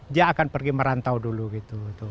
dia akan pergi merantau dulu gitu